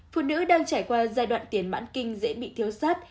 phụ nữ đang trải qua giai đoạn tiền mãn kinh dễ bị thiếu sát